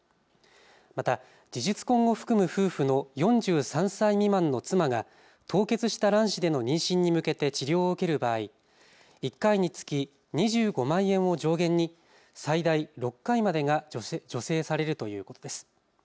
また事実婚を含む夫婦の４３歳未満の妻が凍結した卵子での妊娠に向けて治療を受ける場合、１回につき２５万円を上限に最大６回までが助成されるということです。